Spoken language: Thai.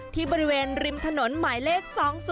ที่บริเวณริมถนนหมายเลข๒๒